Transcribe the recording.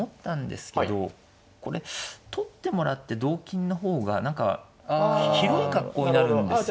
これ取ってもらって同金の方が何か広い格好になるんですよね。